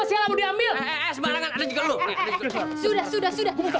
sudah sudah sudah